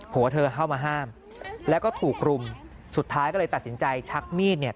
หัวเธอเข้ามาห้ามแล้วก็ถูกรุมสุดท้ายก็เลยตัดสินใจชักมีดเนี่ย